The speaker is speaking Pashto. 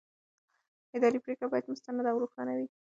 اداري پرېکړه باید مستنده او روښانه وي.